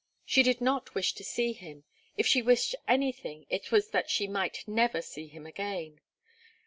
She did not wish to see him. If she wished anything, it was that she might never see him again.